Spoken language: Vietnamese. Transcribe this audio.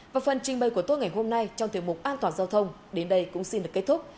và phần trình bày của tôi ngày hôm nay trong tiềm mục an toàn giao thông đến đây cũng xin được kết thúc